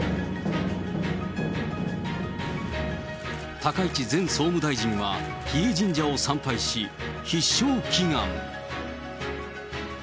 高市前総務大臣は、日枝神社を参拝し、必勝祈願。